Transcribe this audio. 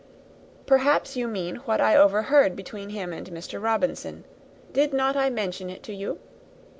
"Perhaps you mean what I overheard between him and Mr. Robinson: did not I mention it to you?